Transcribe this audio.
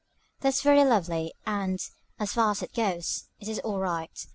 That's very lovely, and, as far as it goes, it is all right.